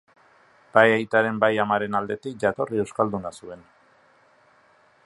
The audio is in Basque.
Bai aitaren bai amaren aldetik jatorri euskalduna zuen.